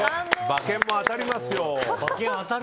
馬券も当たりますよ。